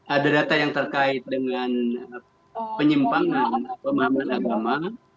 ada data yang terkait dengan penyimpangan pemahaman agama